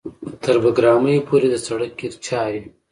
تر بګرامیو پورې د سړک قیر چارې